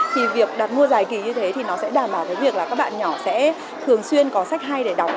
thì việc đặt mua dài kỳ như thế thì nó sẽ đảm bảo với việc là các bạn nhỏ sẽ thường xuyên có sách hay để đọc